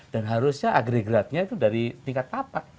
dan harusnya agregatnya itu dari tingkat tapak